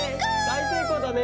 だいせいこうだね！